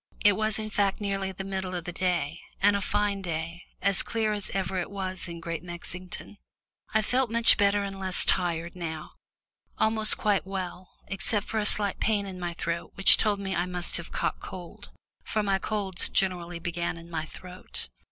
It was in fact nearly the middle of the day, and a fine day as clear as it ever was in Great Mexington. I felt much better and less tired now, almost quite well, except for a slight pain in my throat which told me I must have caught cold, as my colds generally began in my throat.